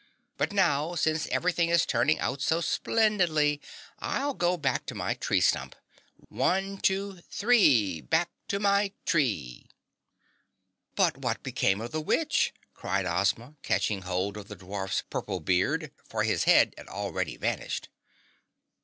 But now, since everything is turning out so splendidly, I'll just go back to my tree stump. One, two three, back to my tree!" "But what became of the witch?" cried Ozma catching hold of the dwarf's purple beard, for his head had already vanished.